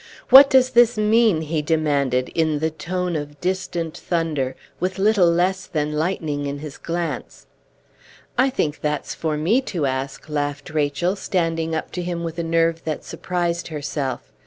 "What does this mean?" he demanded, in the tone of distant thunder, with little less than lightning in his glance. "I think that's for me to ask," laughed Rachel, standing up to him with a nerve that surprised herself.